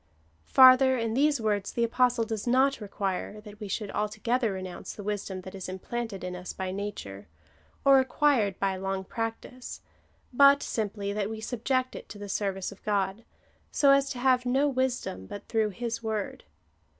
Farther, in these words the Apostle does not require, that we should altogether renounce the wisdom that is implanted in us by nature, or acquired by long practice ; but simply, that we subject it to the service of God, so as to have no wisdom but through his word.